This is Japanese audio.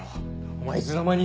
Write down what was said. お前いつの間に？